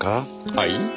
はい？